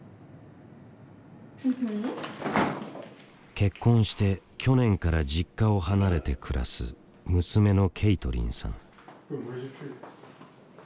結婚して去年から実家を離れて暮らす娘のケイトリンさん。